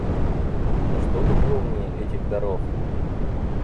Но что духовнее этих даров?